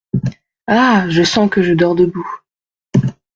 Ah ! je sens que je dors debout !